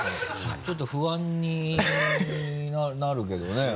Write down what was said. ちょっと不安になるけどね。